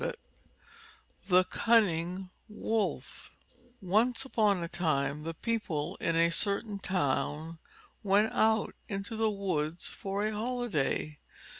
VII THE CUNNING WOLF Once upon a time the people in a certain town went out into the woods for a holiday.